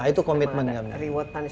nah itu komitmen kami